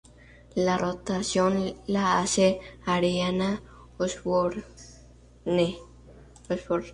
La rotulación la hace Ariana Osborne.